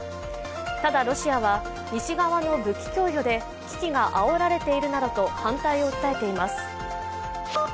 ただロシアは、西側の武器供与で危機があおられているなどと反対を訴えています。